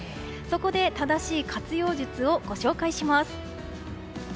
そこで正しい活用術をご紹介します。